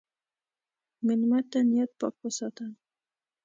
مېلمه ته نیت پاک وساته.